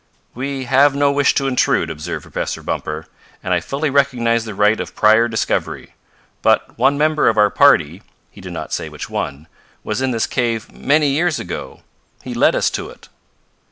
"We have no wish to intrude," observed Professor Bumper, "and I fully recognize the right of prior discovery. But one member of our party (he did not say which one) was in this cave many years ago. He led us to it."